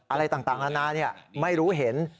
อะไรต่างนานาไม่รู้เห็น